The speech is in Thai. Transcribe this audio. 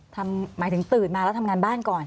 หมายถึงตื่นมาแล้วทำงานบ้านก่อน